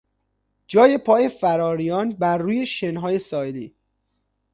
جای پای فراریان برروی شنهای ساحلی